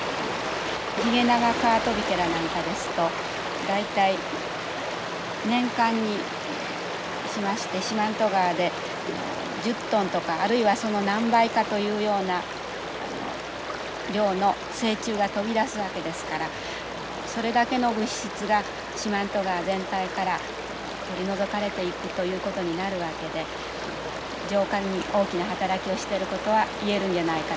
ヒゲナガカワトビケラなんかですと大体年間にしまして四万十川で１０トンとかあるいはその何倍かというような量の成虫が飛び出すわけですからそれだけの物質が四万十川全体から取り除かれていくということになるわけで浄化に大きな働きをしていることは言えるんじゃないかと。